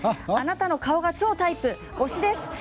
あなたの顔は超タイプ、推しです。